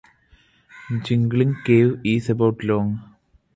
Jingling Cave is about long.